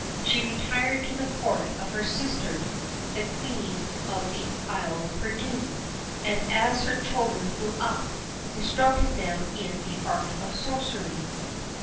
She retired to the Court of her sister, the Queen of the "Isle Perdue," and as her children grew up, instructed them in the art of sorcery.